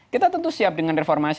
kita tentu siap dengan reformasi